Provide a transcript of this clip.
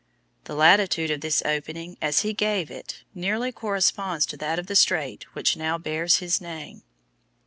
The latitude of this opening, as he gave it, nearly corresponds to that of the strait which now bears his name.